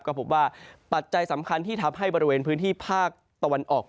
ก็พบว่าปัจจัยสำคัญที่ทำให้บริเวณพื้นที่ภาคตะวันออก